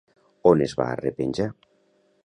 On es va arrepenjar?